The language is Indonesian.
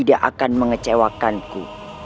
aku akan mengecewakanku